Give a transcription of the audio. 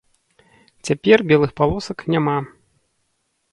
Цяпер белых палосак няма.